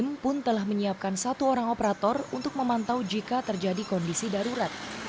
tim pun telah menyiapkan satu orang operator untuk memantau jika terjadi kondisi darurat